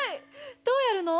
どうやるの？